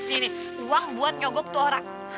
ini uang buat nyogok tuh orang